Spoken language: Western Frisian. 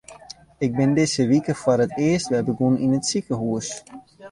Ik bin dizze wike foar it earst wer begûn yn it sikehús.